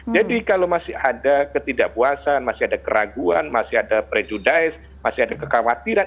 jadi kalau masih ada ketidakpuasan masih ada keraguan masih ada prejudice masih ada kekhawatiran